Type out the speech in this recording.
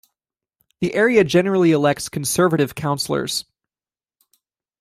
The area generally elects Conservative Councillors.